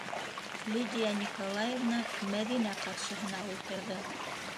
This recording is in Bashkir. - Лидия Николаевна Мәҙинә ҡаршыһына ултырҙы.